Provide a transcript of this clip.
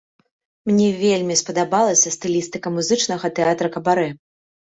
Мне вельмі спадабалася стылістыка музычнага тэатра кабарэ.